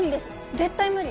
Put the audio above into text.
絶対無理